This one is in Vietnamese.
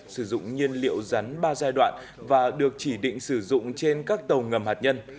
sử dụng nhiên liệu rắn ba giai đoạn và được chỉ định sử dụng trên các tàu ngầm hạt nhân